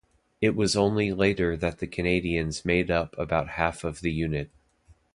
It was only later that the Canadians made up about half of the unit.